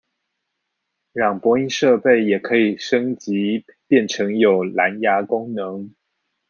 讓播音設備也可升級變成有藍芽功能